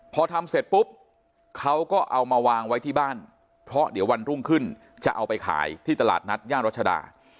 พอทำเสร็จปุ๊บเขาก็เอามาวางไว้ที่บ้านเพราะเดี๋ยววันรุ่งขึ้นจะเอาไปขายที่ตลาดนัดย่านรัชดา